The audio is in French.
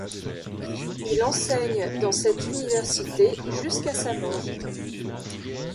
Il enseigne dans cette université jusqu'à sa mort.